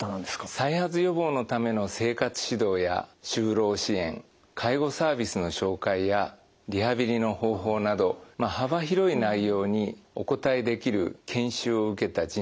再発予防のための生活指導や就労支援介護サービスの紹介やリハビリの方法など幅広い内容にお答えできる研修を受けた人材です。